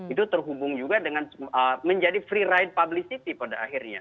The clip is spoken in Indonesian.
itu terhubung juga dengan menjadi free ride publicity pada akhirnya